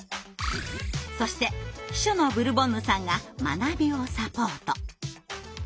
そして秘書のブルボンヌさんが学びをサポート。